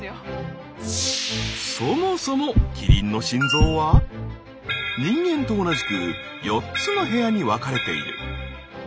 そもそもキリンの心臓は人間と同じく４つの部屋に分かれている。